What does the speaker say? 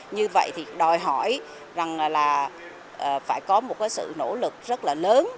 như vậy thì đòi hỏi rằng là phải có một cái sự nỗ lực rất là lớn